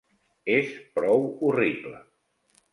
És prou horrible.